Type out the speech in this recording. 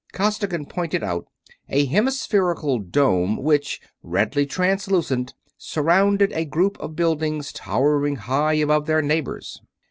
Costigan pointed out a hemispherical dome which, redly translucent, surrounded a group of buildings towering high above their neighbors.